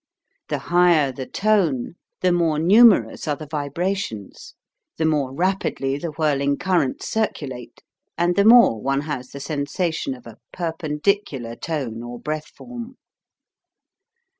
The higher the tone, the more numerous are the vibrations, the more rapidly the whirling currents circulate, and the more one has the sensation of a perpendic ular tone or breath form.